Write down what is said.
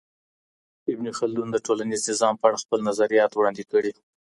ابن خلدون د ټولنیز نظام په اړه خپل نظریات وړاندې کړي.